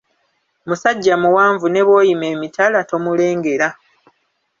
Musajja muwanvu ne bw'oyima emitala tomulengera.